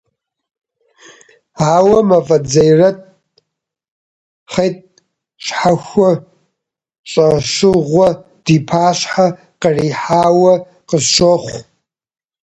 Ауэ Мафӏэдз Заирэт хъэтӏ щхьэхуэ, щӏэщыгъуэ ди пащхьэ кърихьауэ къысщохъу.